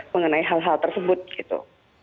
mengenai hal hal tersebut gitu